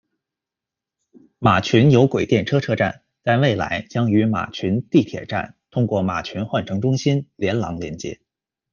马群有轨电车车站在未来将与马群地铁站通过马群换乘中心连廊连接。